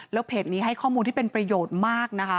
แล้วเพจนี้ให้ข้อมูลที่เป็นประโยชน์มากนะคะ